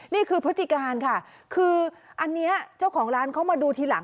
พฤติการค่ะคืออันนี้เจ้าของร้านเขามาดูทีหลัง